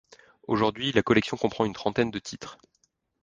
Aujourd'hui, la collection comprend une trentaine de titres.